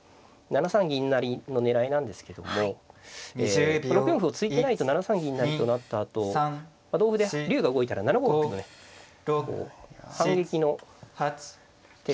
７三銀成の狙いなんですけども６四歩を突いてないと７三銀成と成ったあと同歩で竜が動いたら７五角とね反撃の手がありますので。